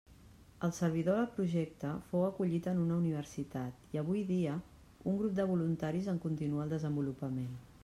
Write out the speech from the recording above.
El servidor del projecte fou acollit en una universitat, i avui dia un grup de voluntaris en continua el desenvolupament.